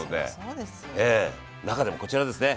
中でもこちらですね。